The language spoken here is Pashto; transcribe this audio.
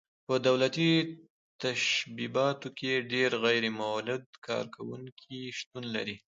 په دولتي تشبثاتو کې ډېر غیر مولد کارکوونکي شتون لري.